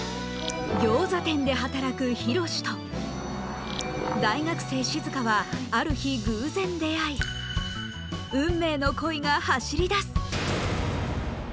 ギョーザ店で働くヒロシと大学生しずかはある日偶然出会い運命の恋が走りだす